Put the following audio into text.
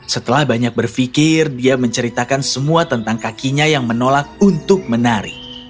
setelah banyak berpikir dia menceritakan semua tentang kakinya yang menolak untuk menari